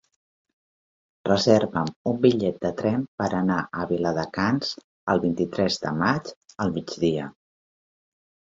Reserva'm un bitllet de tren per anar a Viladecans el vint-i-tres de maig al migdia.